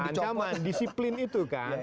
ancaman disiplin itu kan